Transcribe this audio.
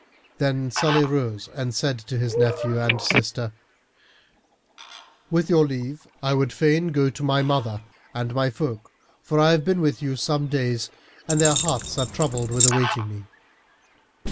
Then Salih rose and said to his nephew and sister, "With your leave, I would fain go to my mother and my folk for I have been with you some days and their hearts are troubled with awaiting me."